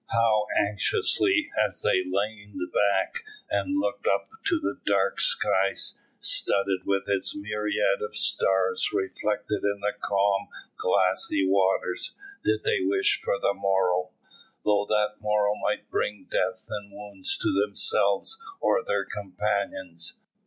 How anxiously, as they leant back and looked up to the dark sky studded with its myriads of stars reflected in the calm glassy waters, did they wish for the morrow, though that morrow might bring death and wounds to themselves or their companions.